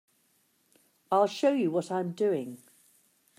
I'll show you what I'm doing.